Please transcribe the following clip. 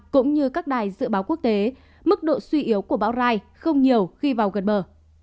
cũng như các đài dự báo quốc tế mức độ suy yếu của bão rai không nhiều khi vào gần bờ